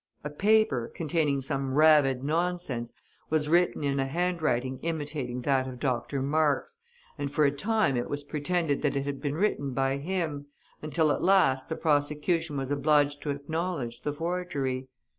A paper, containing some rabid nonsense, was written in a handwriting imitating that of Dr. Marx, and for a time it was pretended that it had been written by him, until at last the prosecution was obliged to acknowledge the forgery.